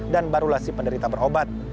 dan barulah si penderita berobat